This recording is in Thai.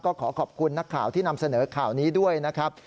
ก็ขอขอบคุณนักข่าวที่นำเสนอข่าวนี้ด้วยนะครับ